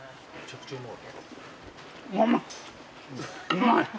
うまい！